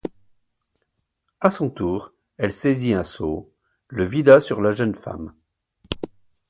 A son tour, elle saisit un seau, le vida sur la jeune femme.